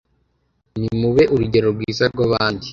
nimube urugero rwiza rw’abandi